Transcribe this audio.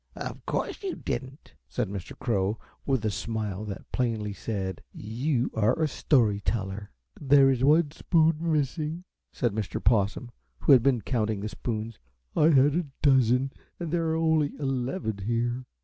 "Of course you didn't," said Mr. Crow, with a smile that plainly said: "You are a story teller." "There is one spoon missing," said Mr. Possum, who had been counting the spoons. "I had a dozen and there are only eleven here."